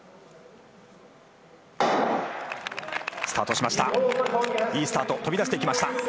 スタートしました。